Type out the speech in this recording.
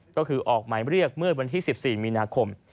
ก็คือออกหมายเรียกเมื่อวันที่๑๔มีนาคม